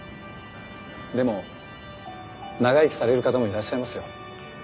でも長生きされる方もいらっしゃいますよ。